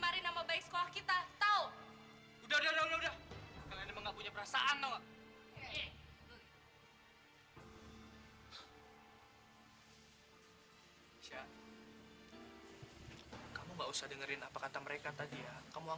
aisyah tadi suka suka diejek suka diinam sama temen temen